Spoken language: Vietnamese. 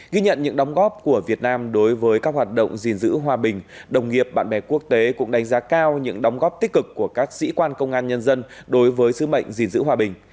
ghi nhận những đóng góp của việt nam đối với các hoạt động gìn giữ hòa bình đồng nghiệp bạn bè quốc tế cũng đánh giá cao những đóng góp tích cực của các sĩ quan công an nhân dân đối với sứ mệnh gìn giữ hòa bình